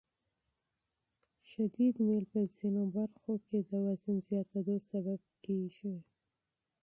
شدید میل په ځینو برخو کې د وزن زیاتېدو سبب کېږي.